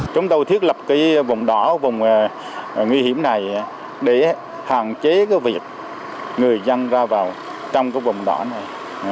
chúng tôi thiết lập cái vùng đỏ vùng nguy hiểm này để hạn chế cái việc người dân ra vào trong cái vùng đỏ này